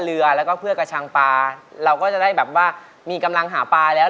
เราก็จะได้แบบว่ามีกำลังหาปลาแล้ว